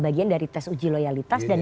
bagian dari tes uji loyalitas dan